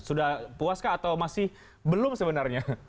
sudah puas kah atau masih belum sebenarnya